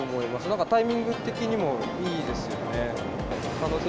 なんかタイミング的にもいいですよね。